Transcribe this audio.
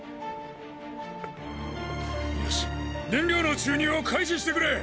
よし燃料の注入を開始してくれ！